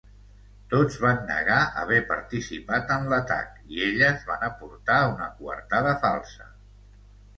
Tots van negar haver participat en l'atac i elles van aportar una coartada falsa.